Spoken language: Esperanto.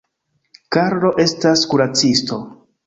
Karlo estas kuracisto.